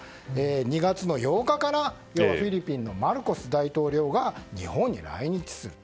２月８日からフィリピンのマルコス大統領が日本に来日すると。